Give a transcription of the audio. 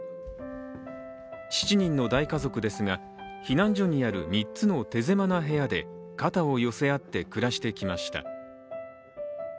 ７人の大家族ですが避難所にある３つの手狭な部屋で肩を寄せ合って暮らしてきました。